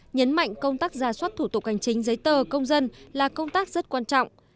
nhấn mạnh công tác ra soát thủ tục hành chính giấy tờ công dân là công tác rất quan trọng